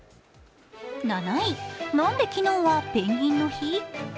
７位、何で昨日はペンギンの日？